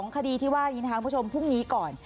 คดีที่ว่านี้นะครับคุณผู้ชมพรุ่งนี้ก่อน